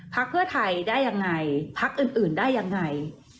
พักเพื่อไทยได้ยังไงพักอื่นได้ยังไง